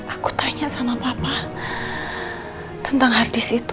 aku tanya sama papa tentang hardis itu